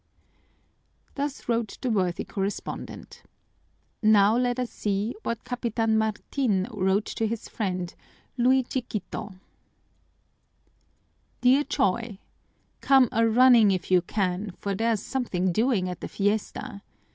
Thus wrote the worthy correspondent. Now let us see what Capitan Martin wrote to his friend, Luis Chiquito: "DEAR CHOY, Come a running if you can, for there's something doing at the fiesta.